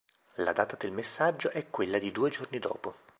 La data del messaggio è quella di due giorni dopo.